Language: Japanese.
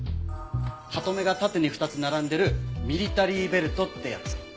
ハトメが縦に２つ並んでるミリタリーベルトってやつ。